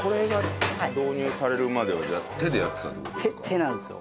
手なんですよ。